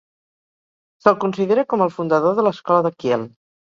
Se'l considera com el fundador de l'escola de Kiel.